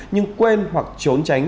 nhưng quên hoặc trốn tránh